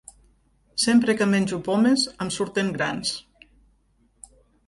Sempre que menjo pomes em surten grans